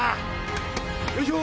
よいしょ！